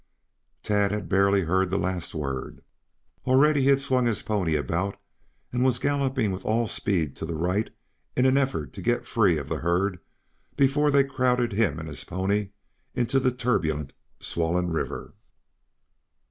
Tad had barely heard the last word. Already he had swung his pony about and was galloping with all speed to the right in an effort to get free of the herd before they crowded him and his pony into the turbulent, swollen river.